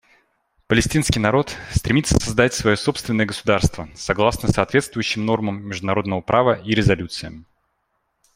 Палестинский народ стремится создать свое собственное государство согласно соответствующим нормам международного права и резолюциям.